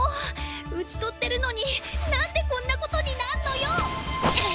打ち取ってるのになんでこんなことになんのよォ！